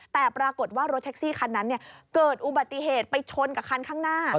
แต่ปรากฏว่ารถแท็กซี่คันนั้นเกิดอุบัติเหตุไปชนกับคันข้างหน้า